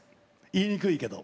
言いにくいけど。